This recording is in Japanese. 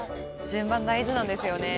順番大事なんですよね。